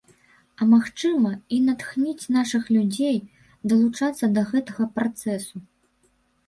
А, магчыма, і натхніць нашых людзей далучацца да гэтага працэсу.